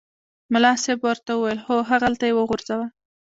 ملا صاحب ورته وویل هوغلته یې وغورځوه.